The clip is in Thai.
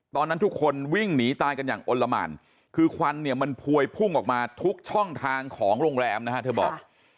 ตอนนั้นทุกคนวิ่งหนีตายกันอย่างอ้นละหมานคือควันเนี่ยมันพวยพุ่งออกมาทุกช่องทางของโรงแรมนะฮะเธอบอก